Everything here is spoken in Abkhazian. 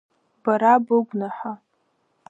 Бара быгәнаҳа…